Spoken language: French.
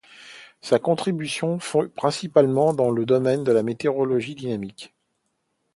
Sa contribution fut principalement dans le domaine de la météorologie dynamique.